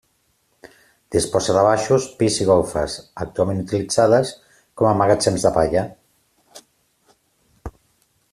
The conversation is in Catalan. Disposa de baixos, pis i golfes, actualment utilitzades com a magatzems de palla.